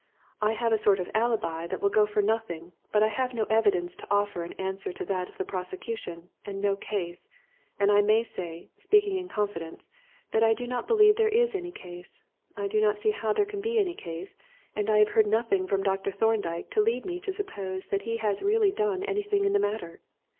'I have a sort of alibi that will go for nothing, but I have no evidence to offer in answer to that of the prosecution, and no case; and I may say, speaking in confidence, that I do not believe there is any case. I do not see how there can be any case, and I have heard nothing from Dr. Thorndyke to lead me to suppose that he has really done anything in the matter.'